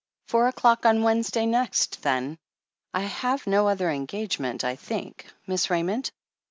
"Four o'clock on Wednesday next, then. I have no other engagement, I think, Miss Raymond